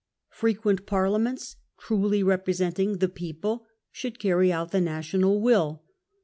Frequent Parliaments, truly representing the "people", should carry out the national will.